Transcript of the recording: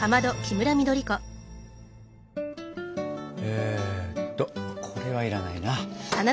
えっとこれは要らないな。